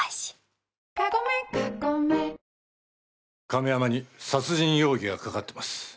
亀山に殺人容疑がかかってます。